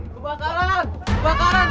kebakaran kebakaran tolong